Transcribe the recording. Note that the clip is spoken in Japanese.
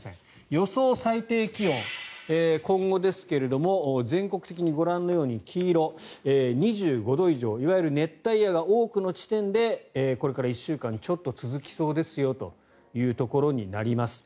予想最低気温、今後ですが全国的にご覧のように黄色、２５度以上いわゆる熱帯夜が多くの地点でこれから１週間ちょっと続きそうですよというところになります。